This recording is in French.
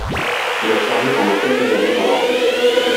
Il a servi pendant quelques années dans l'armée.